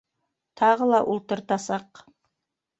Тағы ла ултыртасаҡ.